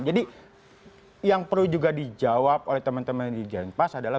jadi yang perlu juga dijawab oleh teman teman dirjen pas adalah